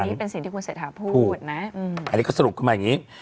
อันนี้เป็นสิ่งที่คุณเศรษฐาพูดนะอันนี้ก็สรุปขึ้นมาอย่างนี้